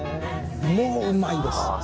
もううまいです。